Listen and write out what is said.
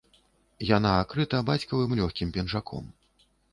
Яна акрыта бацькавым лёгкім пінжаком.